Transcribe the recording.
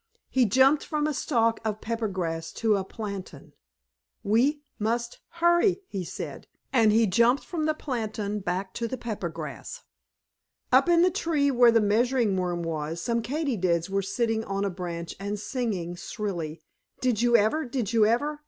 He jumped from a stalk of pepper grass to a plantain. "We must hurry," he said, and he jumped from the plantain back to the pepper grass. Up in the tree where the Measuring Worm was, some Katydids were sitting on a branch and singing shrilly: "Did you ever? Did you ever?